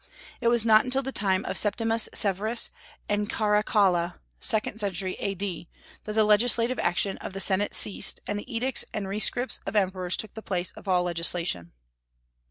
It was not until the time of Septimus Severus and Caracalla (second century A.D.) that the legislative action of the senate ceased, and the edicts and rescripts of emperors took the place of all legislation.